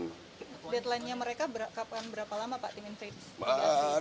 deadlinenya mereka berapa lama pak tim investigasi